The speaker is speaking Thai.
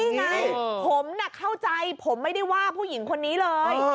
นี่ไงผมน่ะเข้าใจผมไม่ได้ว่าผู้หญิงคนนี้เลย